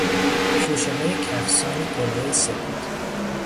خوشههای کفسان گلهای سپید